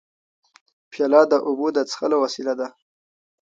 پیاله د اوبو د څښلو وسیله ده.